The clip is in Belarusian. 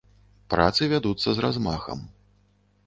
Працы вядуцца з размахам.